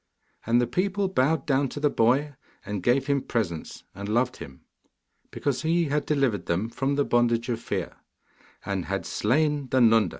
And the people bowed down to the boy and gave him presents, and loved him, because he had delivered them from the bondage of fear, and had slain the Nunda.